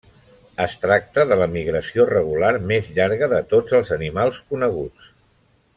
Es tracta de la migració regular més llarga de tots els animals coneguts.